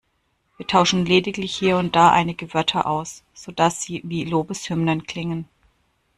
Wir tauschen lediglich hier und da einige Wörter aus, sodass sie wie Lobeshymnen klingen.